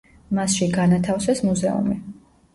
მასში განათავსეს მუზეუმი.